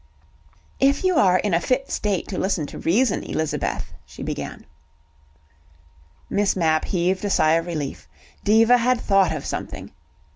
"If you are in a fit state to listen to reason, Elizabeth," she began. Miss Mapp heaved a sigh of relief. Diva had thought of something.